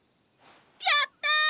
やった！